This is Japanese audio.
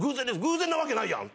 偶然なわけないやん！